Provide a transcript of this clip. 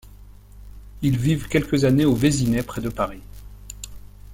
Ils vivent quelques années au Vésinet près de Paris.